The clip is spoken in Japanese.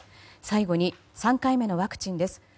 最後に３回目のワクチンです。